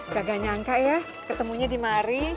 gak gak nyangka ya ketemunya di mari